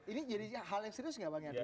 ini jadi hal yang serius nggak pak niyadri